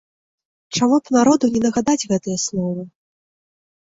Чаму б народу не нагадаць гэтыя словы?